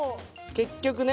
結局ね。